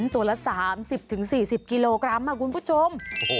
ตัวละ๓๐๔๐กิโลกรัมคุณผู้ชม